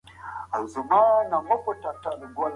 کورنی ژوند باید ارام وي.